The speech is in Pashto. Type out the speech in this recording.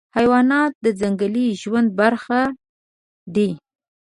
حیوانات د ځنګلي ژوند برخه دي.